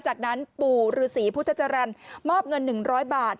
จากนั้นปู่ฤษีพุทธจรรย์มอบเงิน๑๐๐บาท